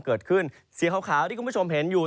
เกิดขึ้นเสียคร้าวที่คุณผู้ชมเห็นอยู่